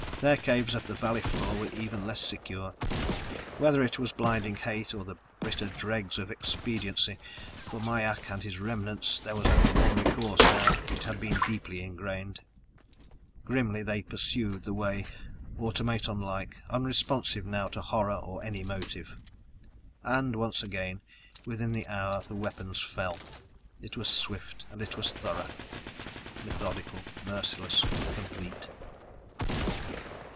Their caves at the valley floor were even less secure. Whether it was blinding hate or the bitter dregs of expediency, for Mai ak and his remnants there was only one recourse now. It had been deeply ingrained! Grimly they pursued the way, automaton like, unresponsive now to horror or any emotive. And once again, within the hour the weapons fell. It was swift and it was thorough. Methodical. Merciless. Complete.